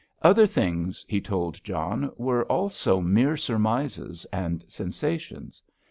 Other things he told John were also mere surmises and sensations.